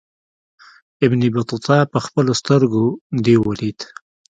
ابن بطوطه پخپلو سترګو دېو ولید.